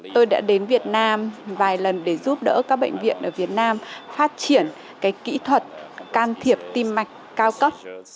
tôi đã đến việt nam vài lần để giúp đỡ các bệnh viện ở việt nam phát triển kỹ thuật can thiệp tim mạch cao cấp